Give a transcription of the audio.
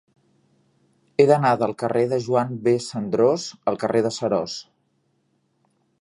He d'anar del carrer de Joan B. Cendrós al carrer de Seròs.